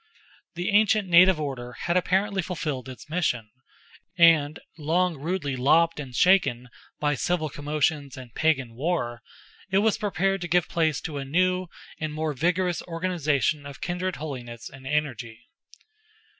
The ancient native order had apparently fulfilled its mission, and long rudely lopped and shaken by civil commotions and Pagan war, it was prepared to give place to a new and more vigorous organization of kindred holiness and energy.